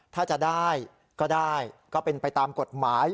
ถ้าจะได้ก็ได้ก็เป็นไปตามกฎหมาย